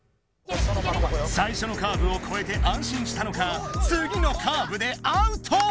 最初のカーブをこえてあんしんしたのかつぎのカーブでアウト！